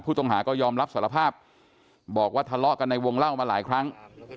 ผู้ต้องหาก็ยอมรับสารภาพบอกว่าทะเลาะกันในวงเล่ามาหลายครั้ง